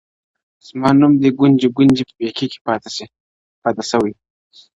زما نوم دي گونجي ، گونجي په پېكي كي پاته سوى.